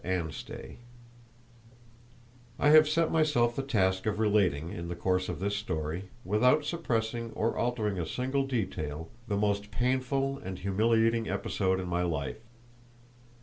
Anstey I have set myself the task of relating in the course of this story, without suppressing or altering a single detail, the most painful and humiliating episode of my life.